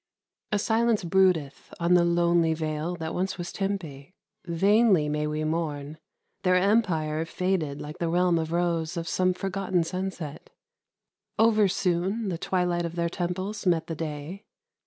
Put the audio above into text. A silence broodeth on the lonely vale That once was Tempe. Vainly may we mourn Their empire faded like the realm of rose Of some forgotten sunset. Oversoon The twilight of their temples met the day.